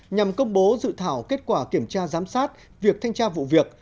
nhằm công bố dự thảo kết quả kiểm tra giám sát việc thanh tra vụ việc